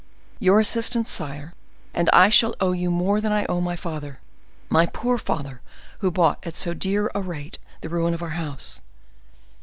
Your assistance, sire, and I shall owe you more than I owe my father,—my poor father, who bought at so dear a rate the ruin of our house!